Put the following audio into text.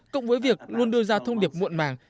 cộng với việc luôn đưa ra thông điệp muộn màng